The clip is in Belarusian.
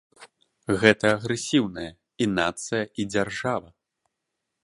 Гэта агрэсіўныя і нацыя, і дзяржава.